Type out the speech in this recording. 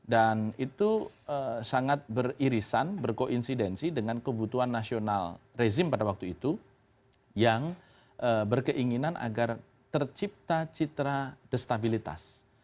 dan itu sangat beririsan berkoinsidensi dengan kebutuhan nasional rezim pada waktu itu yang berkeinginan agar tercipta citra destabilitas